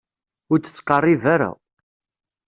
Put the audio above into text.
Ur d-ttqerrib ara.